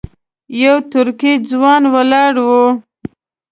یو ترکی ځوان ولاړ و.